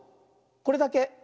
これだけ。